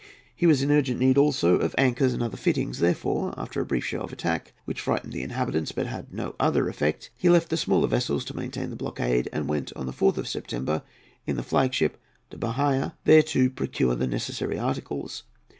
He was in urgent need, also, of anchors and other fittings. Therefore, after a brief show of attack, which frightened the inhabitants, but had no other effect, he left the smaller vessels to maintain the blockade, and went on the 4th of September in the flag ship to Bahia, there to procure the necessary articles.